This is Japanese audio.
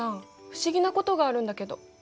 不思議なことがあるんだけど？